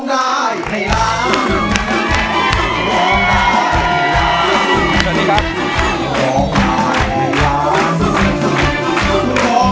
ร้องได้ให้ร้อง